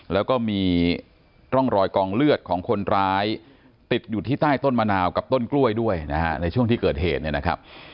แล้วก็มีร่องรอยกองเลือดของคนร้ายติดอยู่ที่ใต้ต้นมะนาวกับต้นกล้วยด้วยนะฮะในช่วงที่เกิดเหตุเนี่ยนะครับ